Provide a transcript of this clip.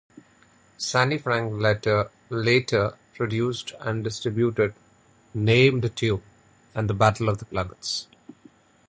Sandy Frank later produced and distributed "Name That Tune" and "Battle of the Planets".